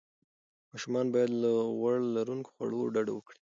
ماشومان باید له غوړ لروونکو خوړو ډډه وکړي.